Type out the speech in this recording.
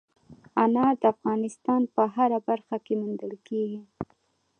انار د افغانستان په هره برخه کې موندل کېږي.